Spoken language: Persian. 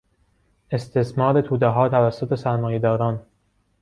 استثمار تودهها توسط سرمایه داران